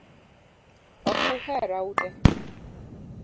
Ok uhera ute